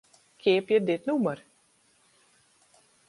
Keapje dit nûmer.